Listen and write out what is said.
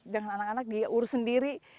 dengan anak anak dia urus sendiri